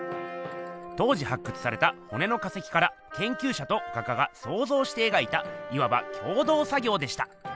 当時発掘されたほねの化石からけんきゅうしゃと画家がそうぞうして描いたいわば共同作業でした。